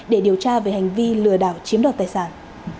để điều tra về hành vi lừa đảo chiếm đoạt tài sản